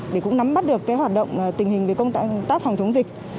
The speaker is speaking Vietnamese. để cũng nắm bắt được cái hoạt động tình hình về công tác phòng chống dịch